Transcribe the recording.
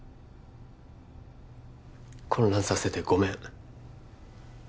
混乱させてごめん